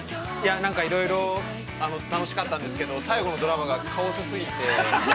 ◆なんかいろいろ、楽しかったんですけれども、最後のドラマがカオス過ぎて。